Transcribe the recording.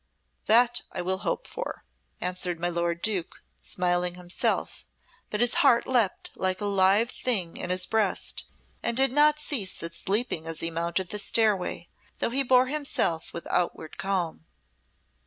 "That I will hope for," answered my lord Duke, smiling himself; but his heart leaped like a live thing in his breast and did not cease its leaping as he mounted the stairway, though he bore himself with outward calm.